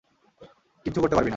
কিচ্ছু করতে পারবি না।